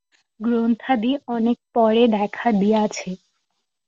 গ্রন্থাদি অনেক পরে দেখা দিয়াছে।